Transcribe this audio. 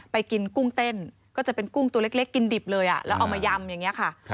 ไปกินกุ้งเต้นก็จะเป็นกุ้งตัวเล็กกินดิบเลยแล้วเอามายำอย่างนี้ค่ะ